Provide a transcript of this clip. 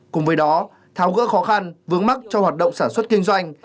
cùng với đó tháo gỡ khó khăn vướng mắt cho hoạt động sản xuất kinh doanh